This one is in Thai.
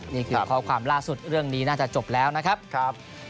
นี่คือข้อความล่าสุดเรื่องนี้น่าจะจบแล้วนะครับ